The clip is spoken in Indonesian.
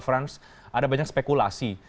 frans ada banyak spekulasi